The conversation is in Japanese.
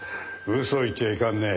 嘘を言っちゃいかんね。